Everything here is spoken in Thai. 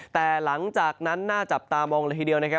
แต่หลังจากนั้นน่าจับตามองเลยทีเดียวนะครับ